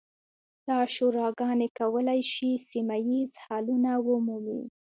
دا شوراګانې کولی شي سیمه ییز حلونه ومومي.